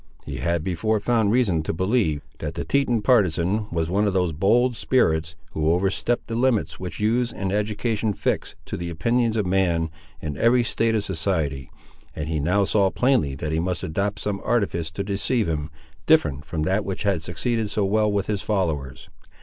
He had before found reason to believe, that the Teton partisan was one of those bold spirits, who overstep the limits which use and education fix to the opinions of man, in every state of society, and he now saw plainly that he must adopt some artifice to deceive him, different from that which had succeeded so well with his followers.